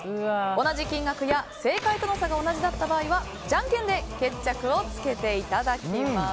同じ金額や正解との差が同じだった場合はじゃんけんで決着をつけていただきます。